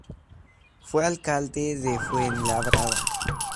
Fue alcalde de Fuenlabrada.